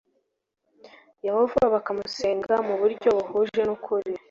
Yehova bakamusenga mu buryo buhuje n'ukuri